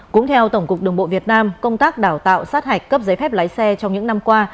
cũng theo tổng cục đường bộ việt nam công tác đào tạo sát hạch cấp giấy phép lái xe trong những năm qua